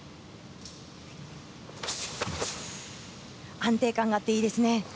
安定感があっていいですね。